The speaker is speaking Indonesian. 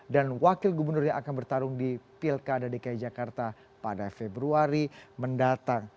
dan wakil gubernur yang akan bertarung di pilkada dki jakarta pada februari mendatang